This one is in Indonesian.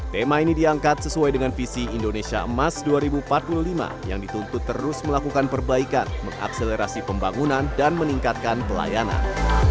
tema ini diangkat sesuai dengan visi indonesia emas dua ribu empat puluh lima yang dituntut terus melakukan perbaikan mengakselerasi pembangunan dan meningkatkan pelayanan